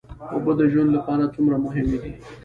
اوبه د ژوند لپاره څومره مهمې دي